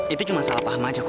itu cuma salah paham aja kok